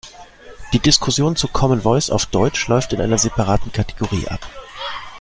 Die Diskussion zu Common Voice auf Deutsch läuft in einer separaten Kategorie ab.